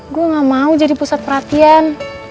gue gak mau jadi pusat perhatian